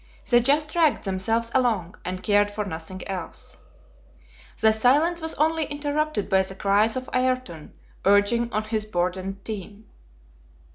They just dragged themselves along, and cared for nothing else. The silence was only interrupted by the cries of Ayrton urging on his burdened team.